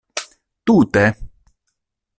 Tute.